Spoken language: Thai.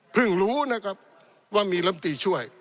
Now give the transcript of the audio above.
รู้นะครับว่ามีลำตีช่วย